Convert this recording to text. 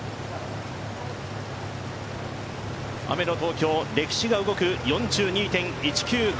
雨の東京、歴史が動く４２．１９５